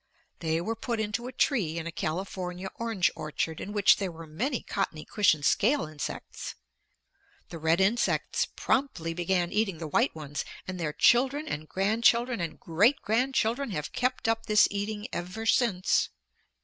They were put into a tree in a California orange orchard in which there were many cottony cushion scale insects. The red insects promptly began eating the white ones; and their children and grandchildren and great grandchildren have kept up this eating ever since.